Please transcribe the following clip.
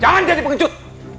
jangan jadi pengecut